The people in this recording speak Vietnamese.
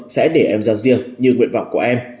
sẽ để em ra riêng như nguyện vọng của em